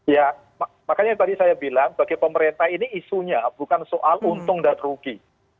ya makanya tadi saya bilang bagi pemerintah ini isunya bukan soal untung dan rugi